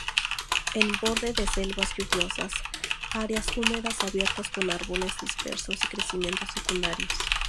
En borde de selvas lluviosas, áreas húmedas abiertas con árboles dispersos y crecimientos secundarios.